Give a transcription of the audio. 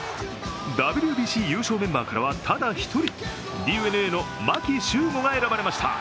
ＷＢＣ優勝メンバーからはただ１人、ＤｅＮＡの牧秀悟が選ばれました。